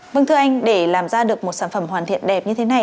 vâng thưa anh để làm ra được một sản phẩm hoàn thiện đẹp như thế này